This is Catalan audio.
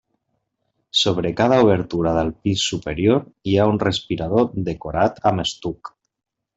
Sobre cada obertura del pis superior hi ha un respirador decorat amb estuc.